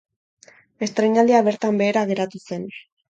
Estreinaldia bertan behera geratu zen.